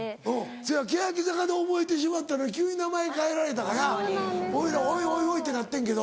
そや欅坂で覚えてしまったのに急に名前変えられたから俺らおいおいおいってなってんけど。